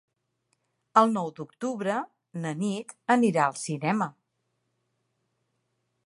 El nou d'octubre na Nit anirà al cinema.